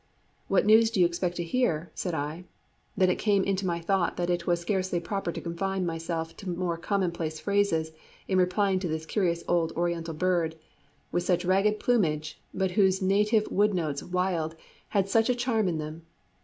"What news do you expect to hear?" said I; then it came into my thought that it was scarcely proper to confine myself to more commonplace phrases in replying to this curious old Oriental bird, with such ragged plumage, but whose native woodnotes wild had such a charm in them.